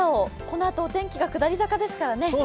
このあと、お天気が下り坂ですからね。